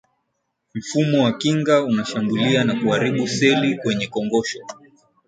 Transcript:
mfumo wa kinga unashambulia na huharibu seli kwenye kongosho